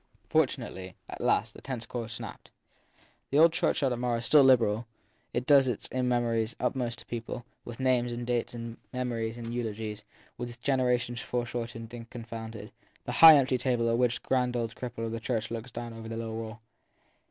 Fortunately, at last, the tense cord snapped. 270 THE THIRD PERSON The old churchyard at Marr is still liberal; it does its immemorial utmost to people, with names and dates and mem ories and eulogies, with generations fore shortened and con founded, the high empty table at which the grand old cripple of the church looks down over the low wall.